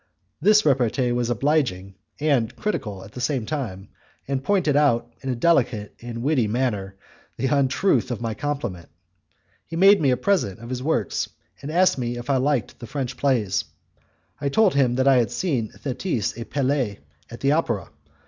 This repartee was obliging and critical at the same time, and pointed out in a delicate and witty manner the untruth of my compliment. He made me a present of his works, and asked me if I liked the French plays; I told him that I had seen 'Thetis et Pelee' at the opera.